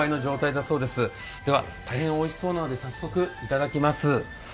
では大変おいしそうなので早速頂きます。